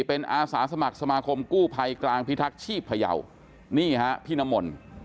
เป็นอาสาสมัครสมาคมกู้ภัยกลางพิทักษ์ชีพพยาวนี่ฮะพี่น้ำมนต์